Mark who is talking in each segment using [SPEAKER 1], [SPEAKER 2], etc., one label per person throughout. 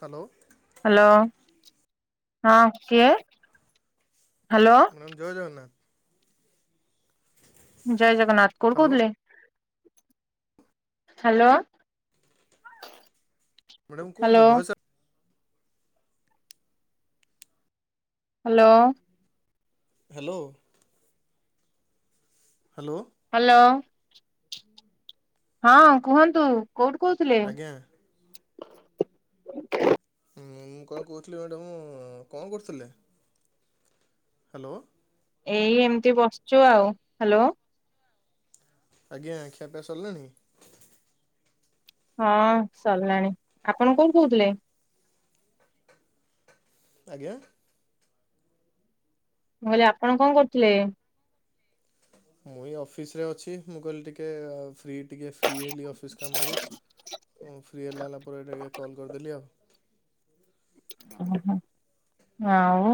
[SPEAKER 1] Hello
[SPEAKER 2] hello ହଁ କିଏ? Hello
[SPEAKER 1] ma'am ଜୟ ଜଗନ୍ନା
[SPEAKER 2] ଜୟ ଜଗନ୍ନାଥ କୋଉଠୁ
[SPEAKER 1] ହ୍ୟାଲୋ
[SPEAKER 2] କହୁଥିଲେ? ହ୍ୟାଲୋ
[SPEAKER 1] ମ୍ୟାଡ଼ାମ
[SPEAKER 2] ହ୍ୟାଲୋ
[SPEAKER 1] କୁହନ୍ତୁ ଭୟସ
[SPEAKER 2] ହ୍ୟାଲୋ
[SPEAKER 1] ହ୍ୟାଲୋ ହ୍ୟାଲୋ
[SPEAKER 2] ହ୍ୟାଲୋ
[SPEAKER 1] [inaudible]
[SPEAKER 2] ହଁ କୁହନ୍ତୁ କୋଉଠୁ କୋହୁଥିଲେ?
[SPEAKER 1] ଆଜ୍ଞା
[SPEAKER 2] [inaudible]
[SPEAKER 1] ମୁଁ କଣ କହୁଥିଲି ମ୍ୟାଡ଼ାମ କଣ କରୁଥିଲେ ହାଲୋ
[SPEAKER 2] ଏଇ ଏମିତି ବସିଛୁ ଆଉ ହାଲୋ
[SPEAKER 1] ଆଜ୍ଞା ଖିଆପିଆ ସରିଲାଣି
[SPEAKER 2] ହଁ ସରିଲାଣି ଆପଣ କୋଉଠୁ କହୁଥିଲେ
[SPEAKER 1] ଆଜ୍ଞା
[SPEAKER 2] ମୁଁ କହିଲି ଆପଣ କଣ କରୁଥିଲେ
[SPEAKER 1] ମୁଁ ଏଇ ଅଫିସରେ ଅଛି ମୁଁ କହିଲି ଟିକେ ଫି ଟିକେ ଫ୍ରି ହେଲି ଅଫିସ କାମରୁ ମୁଁ ଫ୍ରି ହେଲା ହେଲା ପରେ ଟିକେ କଲ୍ କରିଦେଲି ଆଉ
[SPEAKER 2] ଓ ହୋ ଆଉ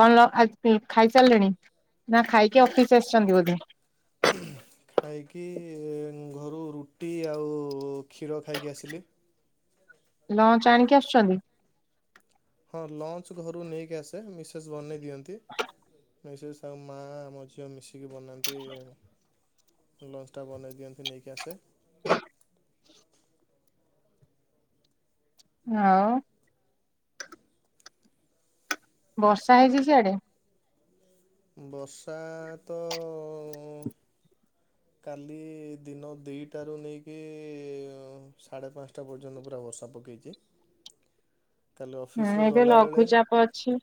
[SPEAKER 2] କଣ ଆଜି ଖାଇସାରିଲେଣି ନା ଖାଇକି ଅଫିସ ଆସିଛନ୍ତି ବୋଧେ
[SPEAKER 1] ଖାଇକି ଘରୁ ରୁଟି ଆଉ କ୍ଷୀର ଖାଇକି ଆସିଲି।
[SPEAKER 2] ଲଞ୍ଚ ଆଣିକି ଆସୁଛନ୍ତି
[SPEAKER 1] ହଁ ଲଞ୍ଚ ଘରୁ ନେଇକି ଆସେ ମିସେସ୍ ବନେଇ ଦିଅନ୍ତି। ମିସେସ୍ ଆଉ ମା ମୋ ଝିଅ ମିଶିକି ବନାନ୍ତି ଲଞ୍ଚ ଟା ବନେଇ ଦିଅନ୍ତି ନେଇକି ଆସେ
[SPEAKER 2] ହ ଆଉ ବର୍ଷା ହେଇଛି ସିଆଡେ
[SPEAKER 1] ବର୍ଷା ତ କାଲି ଦିନ ଦିଇ ଟାରୁ ନେଇକି ସାଢ଼େ ପାଞ୍ଚଟ ଟା ପର୍ଯ୍ୟନ୍ତ ପୁରା ବର୍ଷା ପକେଇଛି କାଲି
[SPEAKER 2] ହୁଁ
[SPEAKER 1] ଅଫିସରୁ
[SPEAKER 2] ଏବେ
[SPEAKER 1] ଗଲାବେଳେ
[SPEAKER 2] ଲଘୁଚାପ ଅଛି।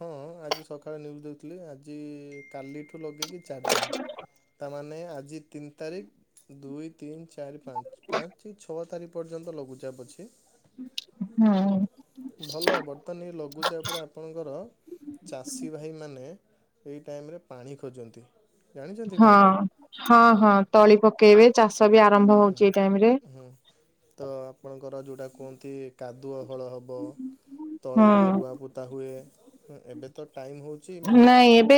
[SPEAKER 1] ହଁ ଆଜି ସକାଳେ ନ୍ୟୁଜ୍ ଦେଖୁଥିଲି ଆଜି କାଲିଠୁ ଲଗେଇକି ଚାରି ଦିନ ତାମାନେ ଆଜି ତିନି ତାରିଖ ଦୁଇ ତିନି ଚାରି ପାଞ୍ଚ ପାଞ୍ଚ ଛଅ ତାରିଖ ପର୍ଯ୍ୟନ୍ତ ଲଘୁଚାପ ଅଛି
[SPEAKER 2] ହୁଁ
[SPEAKER 1] ଭଲ ବର୍ତ୍ତମାନ ଏଇ ଲଘୁଚାପ ରେ ଆପଣ ତାଙ୍କର ଚାଷୀ ଭାଇମାନେ ଏଇ ଟାଇମ୍ ରେ ପାଣି ଖୋଜନ୍ତି ଜାଣିଛନ୍ତି
[SPEAKER 2] ହଁ
[SPEAKER 1] କଣ ପାଇଁ?
[SPEAKER 2] ହଁ ହଁ ତଳି ପକେଇବେ ଚାଷ ବି ଆ
[SPEAKER 1] ହୁଁ ହୁଁ ତ ଆପଣଙ୍କର ଯୋଉଟା କୁହନ୍ତି କାଦୁଅ ହଳ ହବ ତଳା
[SPEAKER 2] ହୁଁ
[SPEAKER 1] ରୁଆପୁତା ହୁଏ ଏବେ ତ ଟାଇମ୍ ହଉଛି
[SPEAKER 2] ନାଇଁ ଏବେ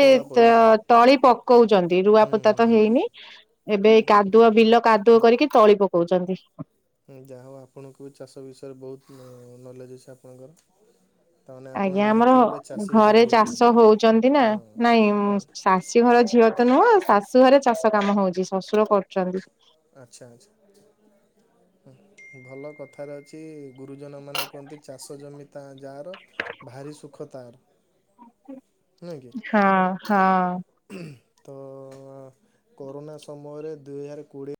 [SPEAKER 2] ତଳି ପକଉଛନ୍ତି ରୁଆ
[SPEAKER 1] ହୁଁ
[SPEAKER 2] ପୋତା
[SPEAKER 1] ହୁଁ
[SPEAKER 2] ତ
[SPEAKER 1] ହୁଁ
[SPEAKER 2] ହେଇନି ଏବେ ଏ କାଦୁଅ ବିଲ କାଦୁଅ କରିକି ତଳି ପକଉଛନ୍ତି।
[SPEAKER 1] ଯାହା ହଉ ଆପଣଙ୍କୁ ବି ଚାଷ ବିଷୟରେ ବହୁତ ନଲେଜ୍ ଅଛି ଆପଣଙ୍କର। ତାମାନେ ଆପଣ
[SPEAKER 2] ଆଜ୍ଞା ଆମର
[SPEAKER 1] ନିହାତି ଗୋଟେ ଚାଷୀ ଘର
[SPEAKER 2] ଘରେ
[SPEAKER 1] ଝିଅ ହେଇଥିବେ
[SPEAKER 2] ଚାଷ ହଉଛନ୍ତି ନା
[SPEAKER 1] ହଁ
[SPEAKER 2] ନାଇଁ
[SPEAKER 1] ହଁ
[SPEAKER 2] ଶା ଚାଷୀ ଘର ଝିଅ ତ ନୁହଁ ଶାଶୁ ଘରେ ଚାଷ କାମ ହଉଛି ଶ୍ୱଶୁର କରୁଛନ୍ତି।
[SPEAKER 1] ଆଚ୍ଛା ଆଚ୍ଛା ଭଲ କଥାରେ ଅଛି ଗୁରୁଜନ ମାନେ କୁହନ୍ତି ଚାଷ ଜମି ତା ଯାହାର। ଭାରି ସୁଖ ତାର ନୁହେଁ କି
[SPEAKER 2] ହଁ ହଁ
[SPEAKER 1] ତ କରୋନା ସମୟରେ ଦୁଇ ହଜାର କୋଡ଼ିଏ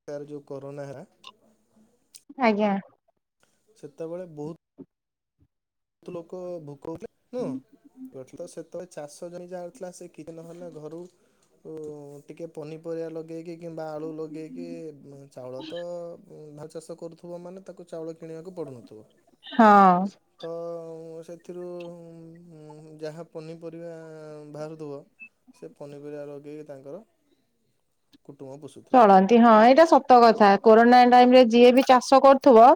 [SPEAKER 1] ହଜାର ଯୋଉ କରୋନା
[SPEAKER 2] ଆଜ୍ଞା
[SPEAKER 1] ସେତେବେଳେ ବହୁତ ବହୁତ ଲୋକ ଭୋକ ହଉଥିଲେ ତ ସେତବେଳେ ଚାଷ ଯ ଯାହା ଥିଲା ସେ କିଛି ନହେଲେ ଘରୁ ଟିକେ ପନିପରିବା ଲଗେଇକି କିମ୍ବା ଆଳୁ ଲଗେଇକି ଚାଉଳ ତ ଧାନ ଚାଷ କରୁ ଥିବା ମାନେ ତାକୁ ଚାଉଳ କିଣିବାକୁ ପଡୁନଥିବ।
[SPEAKER 2] ହଁ
[SPEAKER 1] ତ ସେଥିରୁ ଯାହା ପନିପରିବା ବାହାରୁଥିବ ସେ ପନିପରିବା ଲଗେଇକି ତାଙ୍କର କୁଟୁମ୍ବ ପୋଷୁଥିବେ।
[SPEAKER 2] ଚଳନ୍ତି ହଁ ଏଇଟା ସତ କଥା କୋରୋନା ଟାଇମ ରେ ଯିଏ ବି ଚାଷ କରୁଥିବ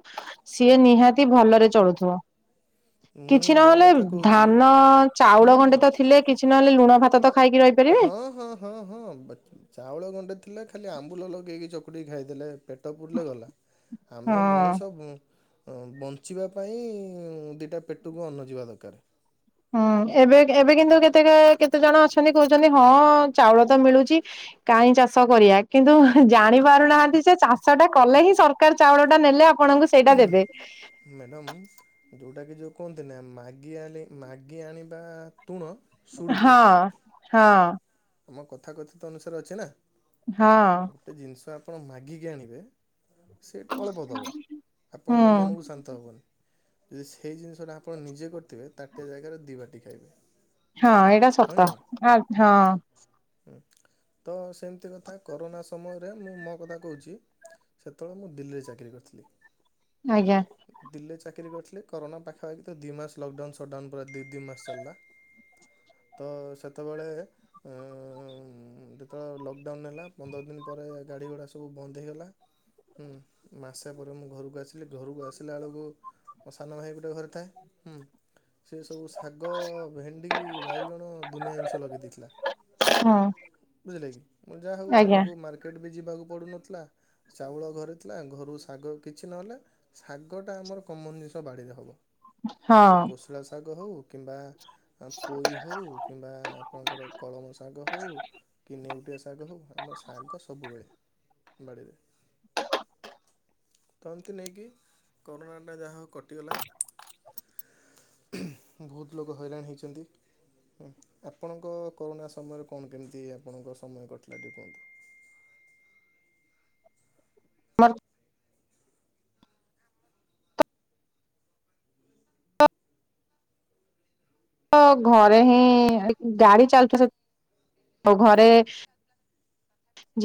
[SPEAKER 2] ସିଏ ନିହାତି ଭଲରେ ଚଳୁଥିବ।
[SPEAKER 1] ମୁଁ
[SPEAKER 2] କିଛି
[SPEAKER 1] ମୋ
[SPEAKER 2] ନହେଲେ
[SPEAKER 1] କଥା କହୁଛି
[SPEAKER 2] ଧାନ
[SPEAKER 1] ହୁଁ
[SPEAKER 2] ଚାଉଳ
[SPEAKER 1] ହୁଁ
[SPEAKER 2] ଗଣ୍ଡେ ତ ଥିଲେ କିଛି ନହେଲେ ଲୁଣ ଭାତ ତ ଖାଇକି ରହିପାରିବେ।
[SPEAKER 1] ହଁ ହଁ ହଁ ହଁ ଚାଉଳ ଗଣ୍ଡେ ଥିଲା ଖାଲି ଆମ୍ବୁଲ ଲଗେଇକି ଚକୁଡ଼ିକି ଖାଇଦେଲେ ପେଟ ପୁରିଲ ଗଲା ଆମେ
[SPEAKER 2] ହଁ।
[SPEAKER 1] ମଣିଷ ବଞ୍ଚିବା ପାଇଁ ଦୁଇଟା ପେଟକୁ ଅନ୍ନ ଯିବା ଦରକାର।
[SPEAKER 2] ହୁଁ ଏବେ ଏବେ କିନ୍ତୁ କେତେ କେତେ ଜଣ ଅଛନ୍ତି କହୁଛନ୍ତି ହଁ ଚାଉଳ ତ ମିଳୁଛି କାହିଁ ଚାଷ କରିବା କିନ୍ତୁ ଜାଣି ପାରୁନାହାନ୍ତି ସେ ଚାଷ ଟା କଲେ ହିଁ ସର ଚାଉଳ ଟା ନେଲେ ଆପଣଙ୍କୁ ସେଇଟା ଦେବେ।
[SPEAKER 1] ମ୍ୟାଡ଼ମ୍ ଯେଉଁଟାକି ଯେଉଁ କୁହନ୍ତି ନା ମାଗିଆଣି ମାଗି ଆଣିବା ତୁଣ ସୁଡ଼ୁକେ।
[SPEAKER 2] ହଁ ହଁ
[SPEAKER 1] ଆମ କଥା କଥିତ ଅନୁସାରେ ଅଛି ନା।
[SPEAKER 2] ହଁ
[SPEAKER 1] ଗୋଟେ ଜିନିଷ ଆପଣ ମାଗିକି ଆଣିବେ ସେ ତ ଅଳ୍ପ ଦେବ
[SPEAKER 2] ହୁଁ
[SPEAKER 1] ଆପଣଙ୍କ ମନକୁ ଶାନ୍ତ ହେବନି ଯଦି ସେଇ ଜିନିଷଟା ଆପଣ ନିଜେ କରିଥିବେ ତାଟିଆ ଜାଗାରେ ଦିବାଲଟି ଖାଇବେ।
[SPEAKER 2] ହଁ ଏଇଟା ସତ ହଁ
[SPEAKER 1] ହ ତ ସେମିତି କଥା କରୋନା ସମୟରେ ମୁଁ ମୋ କଥା କହୁଛି ସେତେବେଳେ ମୁଁ ଦିଲ୍ଲୀରେ ଚାକିରି କରିଥିଲି।
[SPEAKER 2] ଆଜ୍ଞା।
[SPEAKER 1] ଦିଲ୍ଲୀରେ ଚାକିରି କରିଥିଲି କରୋନା ପାଖାପାଖି ତ ଦୁଇ ମାସ ଲକ୍ଡାଉନ୍ ସଟ୍ଡାଉନ୍ ପୁରା ଦୁଇ ଦୁଇ ମାସ ଚାଲିଲା। ତ ସେତେବେଳେ ଯେତେବେଳେ ଲକଡାଉନ୍ ହେଲା ପନ୍ଦର ଦିନ ପରେ ଗାଡ଼ି ଘୋଡ଼ା ସବୁ ବନ୍ଦ ହେଇଗଲା ହୁଁ ମାସ ପରେ ମୁଁ ଘରକୁ ଆସିଲି ଘରକୁ ଆସିଲା ବେଳକୁ ମୋ ସାନ ଭାଇ ପୁରା ଘରେ ଥାଏ ସେ ସବୁ ଶାଗ ଭେଣ୍ଡି ବାଇଗଣ ଦୁନିଆ ଜିନିଷ ଲଗାଇ ଦେଇଥିଲା।
[SPEAKER 2] ହଁ।
[SPEAKER 1] ବୁଝିଲେ କି ମୁଁ ଯାହା ହଉ
[SPEAKER 2] ଆଜ୍ଞା
[SPEAKER 1] ଆମକୁ ମାର୍କେଟ ବି ଯିବାକୁ ପଡୁନଥିଲା ଚାଉଳ ଘରେଥିଲା ଘରୁ ଶାଗ କିଛି ନହେଲେ ଶାଗ ଟା ଆମର କମନ ଜିନିଷ ବାଡିରେ ହବ।
[SPEAKER 2] ହଁ
[SPEAKER 1] ସେ କୋଶଳା ଶାଗ ହଉ କିମ୍ବା ପୋଇ ହଉ କିମ୍ବା ଆପଣଙ୍କର କଳମ ଶାଗ ହଉ କି ନେଉଟିଆ ଶାଗ ହଉ ଆମ ଶାଗ ସବୁବେଳେ। ବଡ଼ିିରେ। ନେଇକି କରୋନାଟା ଯାହା କଟିଗଲା ବହୁତ ଲୋକ ହଇରାଣ ହେଇଛନ୍ତି ଆପଣଙ୍କ କରୋନା ସମୟରେ କଣ କେମିତି ଆପଣଙ୍କ ସମୟ କଟିଲା ଟିକେ କୁହନ୍ତୁ।
[SPEAKER 2] ମର ତ ଘରେ ହିଁ ଗାଡି ଚାଲୁଛି ସତ ଆଉ ଘରେ।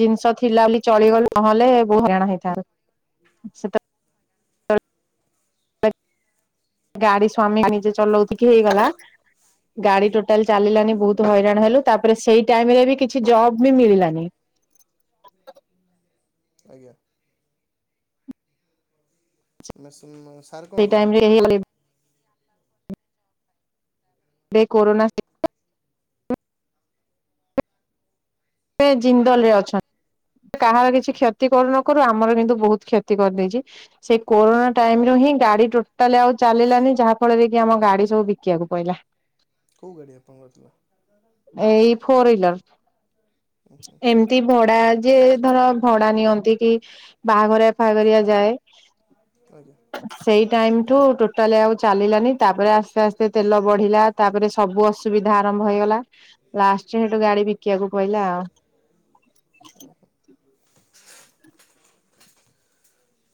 [SPEAKER 2] ଜିନିଷ ଥିଲା ବୋଲି ଚଳିଗଲୁ ନହେଲେ ବହୁତ ହଇରାଣ ହେଇଥାନ୍ତୁ। ଗାଡି ସ୍ଵାମୀ ନିଜେ ଚଲଉତିିକି ହେଇଗଲା। ଗାଡି ଟୋଟାଲ ଚାଲିଲାନି ବହୁତ
[SPEAKER 1] ଆଜ୍ଞା
[SPEAKER 2] ହଇରାଣ ହେଲୁ ତାପରେ ସେଇ ଟାଇମ ରେ ବି କିଛି ଜବ ବି ମିଳିଲାନି।
[SPEAKER 1] ଆଜ୍ଞା। ମସ
[SPEAKER 2] ସେଇ ଟାଇମ ରେ ସେଇ କରୋନା। ହ ଏବେ ଜିନ୍ଦଲ ରେ ଅଛନ୍ତି। କାହାର କିଛି କ୍ଷତି କରୁନ କରୁ ଆମର କିନ୍ତୁ ବହୁତ କ୍ଷତି କରିଦେଇଛି। ସେ କୋରୋନା
[SPEAKER 1] ଓହୋ
[SPEAKER 2] ଟାଇମ ରୁ ହିଁ ଗାଡି ଟୋଟାଲି ଆଉ ଚାଲିଲାନି ଯାହା ଫଳରେ କି ଆମ ଗାଡି ସବୁ ବିକିବାକୁ ପଡିଲା।
[SPEAKER 1] କୋଉ ଗାଡି ଆପଣ ଥିଲା।
[SPEAKER 2] ଏଇ ଫୋର ହୁଇଲର ଏମିତି ଭଡା। ଯିଏ ଧର ଭଡା ନିଅନ୍ତି କି ବାହାଘରିଆ ଫାଘରିଆ ଯାଏ।
[SPEAKER 1] ଆଜ୍ଞା।
[SPEAKER 2] ସେଇ ଟାଇମଠୁ ଟୋଟାଲି ଆଉ ଚାଲିଲାନି ତାପରେ ଆସ୍ତେ ଆସ୍ତେ ତେଲ ବଢିଲା। ତାପରେ ସବୁ ଅସୁବିଧା ଆରମ୍ଭ ହେଇଗଲା ଲାଷ୍ଟରେ ସେଠୁ ଗାଡି ବିକିବାକୁ ପଡିଲା ଆଉ
[SPEAKER 1] ଓହୋ।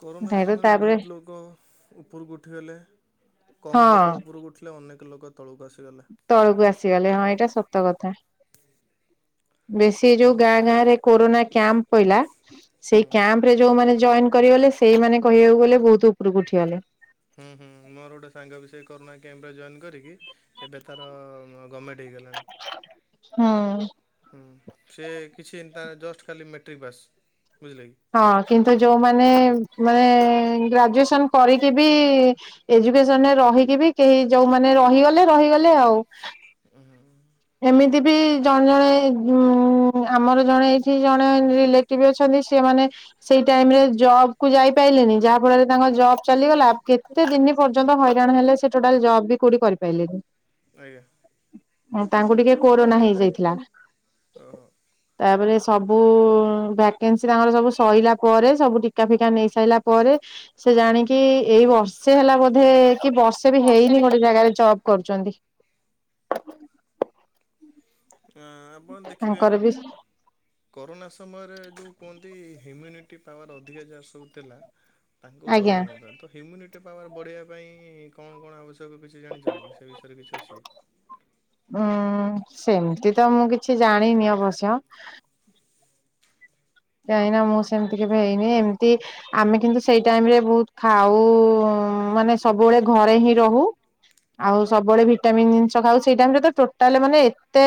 [SPEAKER 1] କରୋନା
[SPEAKER 2] ସେଇଠୁ
[SPEAKER 1] ସମୟରେ
[SPEAKER 2] ତାପରେ
[SPEAKER 1] ବହୁତ ଲୋକ ଉପରକୁ ଉଠିଗଲେ କମ୍
[SPEAKER 2] ହଁ
[SPEAKER 1] ଲୋକ ଉପରକୁ ଉଠି। ଅନେକ ଲୋକ ତଳକୁ ଆସିଗଲେ।
[SPEAKER 2] ତଳକୁ ଆସିଗଲେ ହଁ ଏଇଟା ସତ କଥା। ବେଶୀ
[SPEAKER 1] ହୁଁ
[SPEAKER 2] ଯୋଉ ଗାଁ ଗାଁରେ କୋରୋନା କ୍ୟାମ୍ପ ପଇଲା
[SPEAKER 1] ହୁଁ
[SPEAKER 2] ସେଇ କ୍ୟାମ୍ପରେ ଯୋଉମାନେ ଜଏନ କରିଗଲେ ସେଇମାନେ କହିବାକୁ ଗଲେ ବହୁତ ଉପରକୁ ଉଠିଗଲେ।
[SPEAKER 1] ହୁଁ ହୁଁ ମୋର ଗୋଟେ ସାଙ୍ଗ ବି ସେଇ କରୋନା କ୍ୟାମ୍ପରେ ଜଏନ୍ କରିକି ଏବେ ତାର ଗଭର୍ଣ୍ଣମେଣ୍ଟ୍ ହେଇଗଲାଣି।
[SPEAKER 2] ହୁଁ।
[SPEAKER 1] ହୁଁ ସେ କିଛି ତା ଜଷ୍ଟ ଖାଲି ମେଟ୍ରିକ୍ ପାସ୍ ବୁଝିଲେ କି।
[SPEAKER 2] ହଁ କିନ୍ତୁ ଯୋଉମାନେ ମାନେ ଗ୍ରାଜୁଏସନ କରିକି ବି ଏଜୁକସନରେ ରହିକି ବି କେହି ଯୋଉମାନେ ରହିଗଲେ ରହିଗଲେ ଆଉ।
[SPEAKER 1] ହୁଁ
[SPEAKER 2] ଏମିତି ବି ଜଣେ ଜଣେ ଆମର ଜଣେ ଏଇଠି ଜଣେ ରିଲେ ଟିଭ ଅଛନ୍ତି ସେମାନେ ସେଇ ଟାଇରେ ଜବକୁ ଯାଇ ପାରିଲେନି ଯାହା ଫଳରେ ତାଙ୍କ ଜବ୍ ଚାଲିଗଲା। କେତେ ଦିନ ପର୍ଯ୍ୟନ୍ତ ହଇରାଣ ହେଲେ ସେ ଟୋଟାଲ ଜବ୍ ବି କୋଉଠି କରିପାରିଲେନି।
[SPEAKER 1] ଆଜ୍ଞା।
[SPEAKER 2] ତାଙ୍କୁ ଟିକେ କୋରୋନା ହେଇଯାଇଥିଲା।
[SPEAKER 1] ଓହୋ।
[SPEAKER 2] ତାପରେ ସବୁ ଭ୍ୟାକେନ୍ସି ତାଙ୍କର ସବୁ ସରିଲା ପରେ ସବୁ ଟିକା ଫିକା ନେଇ ସାରିଲା ପରେ, ସେ ଜାଣିକି ଏଇ ବର୍ଷେ ହେଲା ବୋଧେ କି ବର୍ଷେ ବି ହେଇନି ଗୋଟେ ଜାଗାରେ ଜବ୍ କରୁଛନ୍ତି।
[SPEAKER 1] ଅଁ ଆପଣ ଦେଖିବେ
[SPEAKER 2] ତାଙ୍କର ବି
[SPEAKER 1] କରୋନା ସମୟରେ ଯେଉଁ କୁହନ୍ତି ହ୍ୟୁମ୍ୟୁନିଟି ପାୱାର ଅଧିକା ଯାହା ସବୁ ଥିଲା। ତାଙ୍କୁ
[SPEAKER 2] ଆଜ୍ଞା
[SPEAKER 1] କରୋନା ହୋଉ ତ ହ୍ୟୁମିନିଟି ପାୱାର ବଢ଼େଇବା ପାଇଁ କଣ କଣ ଆବଶ୍ୟକ କିଛି ଜାଣିଛନ୍ତି ସେ ବିଷୟରେ କିଛି ଅଛି।
[SPEAKER 2] ଉୁଁ ସେମିତି ତ ମୁଁ କିଛି ଜାଣିନି ଅବଶ୍ୟ। କାହିଁନା ମୁଁ ସେମିତି କେବେ ହେଇନି ଏମିତି ଆମେ କିନ୍ତୁ ସେଇ ଟାଇମରେ ବହୁତ ଖାଉ ମାନେ ସବୁବେଳେ ଘରେ ହିଁ ରହୁ। ଆଉ ସବୁବେଳେ ଭିଟାମିନ୍ ଜିନିଷ ଖାଉ ସେଇ ଟାଇମରେ ତ ଟୋଟାଲ ମାନେ ଏତେ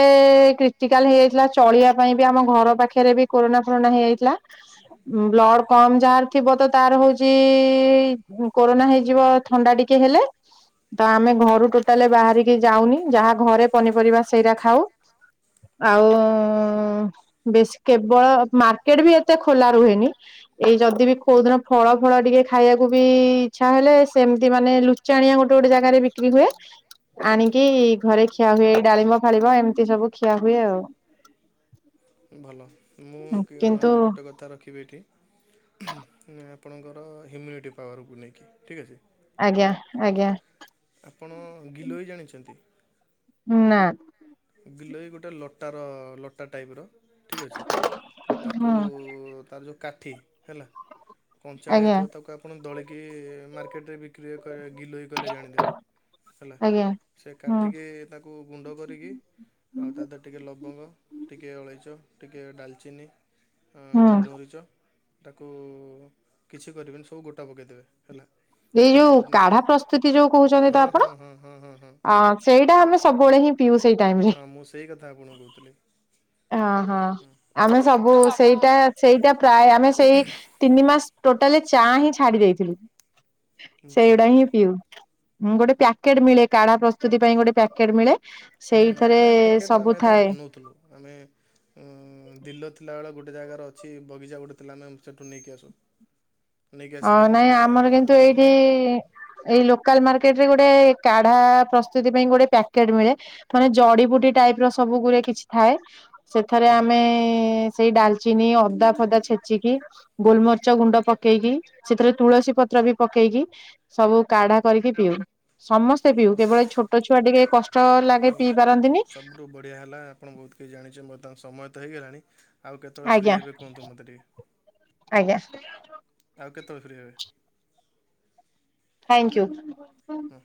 [SPEAKER 2] କ୍ରିଟିକାଲ ହେଇଯାଇଥିଲା ଚଳିବା ପାଇଁ ବି ଆମ ଘର ପାଖରେ ବି କୋରୋନା ଫୋରନା ହେଇଯାଇଥିଲା।
[SPEAKER 1] ଆଜ୍ଞା।
[SPEAKER 2] ବ୍ଲଡ଼ କମ ଯାହାର ଥିବ ତ ତାର ହଉଛି କୋରୋନା ହେଇଯିବ। ଥଣ୍ଡା ଟିକେ ହେଲେ। ତ ଆମେ ଘରୁ ଟୋଟାଲି ବାହାରିକି ଯାଉନି ଯାହା ଘରେ ପନିପରିବା ସେଇଟା ଖାଉ। ଆଉ ବେଶୀ କେବଳ ମାର୍କେଟ ବି ଏତେ ଖୋଲା ରୁହେନି। ଏଇ ଯଦି ବି କୋଉଦିନ ଫଳ ଫଳ ଟିକେ ଖାଇବାକୁ ବି ଇଚ୍ଛା ହେଲେ ସେମତି ମାନେ ଲୁଚ ଚାଣିଆ ଗୋଟେ ଗୋଟେ ଜାଗାରେ ବିକ୍ରି ହୁଏ। ଆଣିକି ଘରେ ଖିଆ ହୁଏ ଏଇ ଡାଳିମ୍ବ ଫାଳିମ୍ବ ଏମିତି ସବୁ ଖିଆ ହୁଏ ଆଉ।
[SPEAKER 1] ଭଲ ମୁଁ
[SPEAKER 2] କିନ୍ତୁ
[SPEAKER 1] ଗୋଟେ କଥା କଥା ରଖିବି ଏଠି ଆପଣଙ୍କର ହ୍ୟୁମିନିଟି ପାୱାରକୁ ନେଇକି ଠିକ୍ ଅଛି।
[SPEAKER 2] ଆଜ୍ଞା ଆଜ୍ଞା।
[SPEAKER 1] ଆପଣ ଗିଲୋଇ ଜାଣିଛନ୍ତି।
[SPEAKER 2] ନା।
[SPEAKER 1] ଗିଲୋଇ ଗୋଟେ ଲଟାର ଲଟା ଟାଇପର ଠିକ୍ ଅଛି। ତାକୁ
[SPEAKER 2] ହୁଁ
[SPEAKER 1] ତାର ଯୋଉ କାଠି ହେଲା କଞ୍ଚାଳିଆ
[SPEAKER 2] ଆଜ୍ଞା
[SPEAKER 1] ଥିବ ତାକୁ ଆପଣ ଦଳିକି ମାର୍କେଟରେ ବିକ୍ରି ଗିଲୋଇ କହିଲେ ଜାଣିଦେବେ। ହେଲା
[SPEAKER 2] ଆଜ୍ଞା
[SPEAKER 1] ସେ
[SPEAKER 2] ହୁଁ
[SPEAKER 1] କାଠିକି ତାକୁ ଗୁଣ୍ଡ କରିକି ଆଉ ତା ଦେହରେ ଟିକିଏ ଲବଙ୍ଗ ଟିକିଏ ଅଳେଇଚ ଟିକେ ଡାଲଚିନି
[SPEAKER 2] ହୁଁ।
[SPEAKER 1] ଗୋଲମରିଚ ତାକୁ କିଛି କରିବେନି ସବୁ ଗୋଟା ପକେଇଦେବେ ହେଲା।
[SPEAKER 2] ଏଇ
[SPEAKER 1] ଖାଲି
[SPEAKER 2] ଯୋଉ କାଢା ପ୍ରସ୍ତୁତି ଯୋଉ କହୁଛନ୍ତି
[SPEAKER 1] ହଁ
[SPEAKER 2] ତ
[SPEAKER 1] ହଁ
[SPEAKER 2] ଆପଣ।
[SPEAKER 1] ହଁ ହଁ ହଁ ହଁ
[SPEAKER 2] ଅ ସେଇଟା ଆମେ ସବୁବେଳେ ହିଁ ପିଉ ସେଇ ଟାଇମରେ।
[SPEAKER 1] ହଁ ମୁଁ ସେଇ କଥା ଆପଣଙ୍କୁ କହୁଥିଲି।
[SPEAKER 2] ହଁ ହଁ ଆମେ ସବୁ ସେଇଟା ସେଇଟା ପ୍ରାୟ ଆମେ ସେଇ ତିନି ମାସ ଟୋଟାଲି ଚା ହିଁ ଛାଡି ଦେଇଥିଲୁ।
[SPEAKER 1] ମିଛ।
[SPEAKER 2] ସେଇଗଡା ହିଁ ପିଉ ଗୋଟେ ପ୍ୟାକେଟ ମିଳେ କାଢା ପ୍ରସ୍ତୁତି ପାଇଁ ଗୋଟେ ପ୍ୟାକେଟ ମିଳେ।
[SPEAKER 1] ହୁଁ
[SPEAKER 2] ସେଇଥିରେ
[SPEAKER 1] ନା ପ୍ୟାକେଟ ନୁହଁ
[SPEAKER 2] ସବୁ
[SPEAKER 1] ଆମେ ଯେତେବେଳେ
[SPEAKER 2] ଥାଏ
[SPEAKER 1] ବନଉଥିଲୁ ଆମେ। ଦିଲ ଥିଲାବେଳେ ଗୋଟେ ଜାଗାର ଅଛି ବଗିଚା ଗୋଟେ ଥିଲା ଆମେ ସେଇଠୁ ନେଇକି ଆସୁ ନେଇକି
[SPEAKER 2] ହ
[SPEAKER 1] ଆସିକି ଆମେ
[SPEAKER 2] ନାଇଁ ଆମର
[SPEAKER 1] ଆଁ,
[SPEAKER 2] କିନ୍ତୁ
[SPEAKER 1] ବନଉ
[SPEAKER 2] ଏଇଠି ଏଇ ଲୋକାଲ ମାର୍କେଟ ରେ ଗୋଟେ କାଢା ପ୍ରସ୍ତୁତି ପାଇଁ ଗୋଟେ ପ୍ୟାକେଟ ମିଳେ। ମାନେ ଜଡି ବୁଟି ଟାଇପର ସବୁ ଗୁରେ କିଛି ଥାଏ। ସେଥିରେ
[SPEAKER 1] ହୁଁ ହୁଁ
[SPEAKER 2] ଆମେ ସେଇ ଡାଲଚିନି ଅଦା ଫଦା ଛେଚିକି। ଗୋଲମରିଚ୍ଚ ଗୁଣ୍ଡ ପକେଇକି ସେଥିରେ ତୁଳସୀ ପତ୍ର ବି ପକେଇକି ସବୁ କାଢା କରିକି ପିଉ ସମସ୍ତ ସେ ପିଉ କେବଳ ଛୋଟ ଛୁଆ ଟିକେ କଷ୍ଟ ଲାଗେ ପିଇ ପାରନ୍ତିନି।
[SPEAKER 1] ରୁ ବଢ଼ିଆ ହେଲା ଆପଣ ବହୁତ କିଛି ଜାଣିଛେ ମୋ ତାଙ୍କ ସମୟ ତ ହେଇଗଲାଣି। ଆଉ କେତେବେଳେ ଫ୍ରି
[SPEAKER 2] ଆଜ୍ଞା
[SPEAKER 1] ହେବେ କୁହନ୍ତୁ ମୋତେ ଟିକେ
[SPEAKER 2] ଆଜ୍ଞା
[SPEAKER 1] ଆଉ କେତେବେଳେ ଫ୍ରି ହେବେ?
[SPEAKER 2] ଥ୍ୟାଙ୍କୟୁ।
[SPEAKER 1] ହଁ।